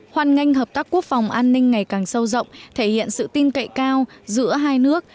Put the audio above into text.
hoàn ngành hợp tác quốc phòng an ninh ngày càng sâu rộng thể hiện sự tin cậy cao giữa hai nước